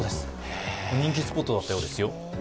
人気スポットだったようですよ。